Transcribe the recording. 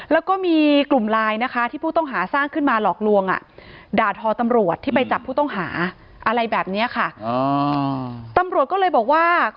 แล้วก็มีกลุ่มลายที่ผู้ต้องหาสร้างขึ้นมาหลอกลวงด่าทอตำรวจที่ไปจับผู้ต้องหา